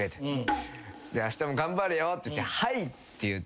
「あしたも頑張れよ」って言って「はい！」って言って。